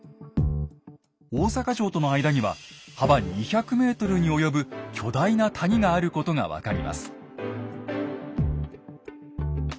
大坂城との間には幅２００ｍに及ぶ巨大な谷があることが分かります。